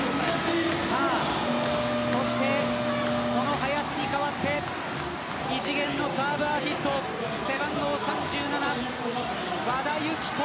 林に代わって異次元のサーブアーティスト背番号３７、和田由紀子。